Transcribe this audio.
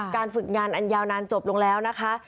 ฝึกงานอันยาวนานจบลงแล้วนะคะ